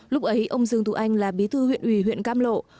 lúc ấy ông dương tú anh là bí thư huyện ủy huyện cam loan